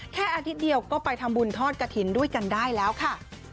อาทิตย์เดียวก็ไปทำบุญทอดกระถิ่นด้วยกันได้แล้วค่ะ